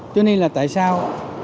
cho nên là tại sao